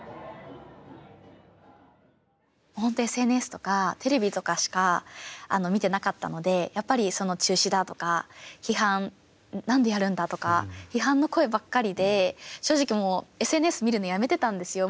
ＳＮＳとかテレビとかしか見てなかったので、やっぱり中止だとか、批判、何でやるんだとか批判の声ばかりで、正直もうＳＮＳを見るのをやめてたんですよ。